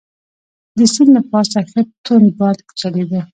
د سیند له پاسه ښه توند باد چلیده.